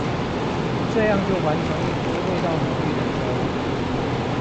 這樣就完成一鍋味道濃郁的粥